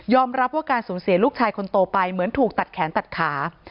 รับว่าการสูญเสียลูกชายคนโตไปเหมือนถูกตัดแขนตัดขา